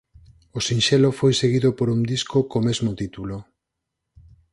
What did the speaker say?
O sinxelo foi seguido por un disco co mesmo título.